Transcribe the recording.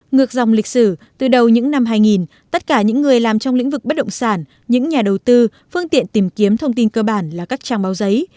ngược dòng lịch sử từ đầu những năm hai nghìn tất cả những người làm trong lĩnh vực bất động sản những nhà đầu tư phương tiện tìm kiếm thông tin cơ bản là các trang báo giấy